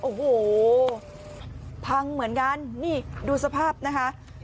โอ้โหพังเหมือนกันนี่ดูสภาพนะคะ